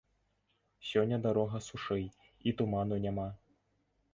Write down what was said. Сёння дарога сушэй, і туману няма.